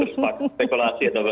terpakai spekulasi atau